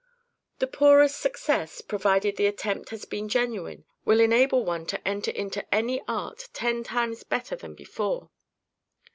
The poorest success, provided the attempt has been genuine, will enable one to enter into any art ten times better than before.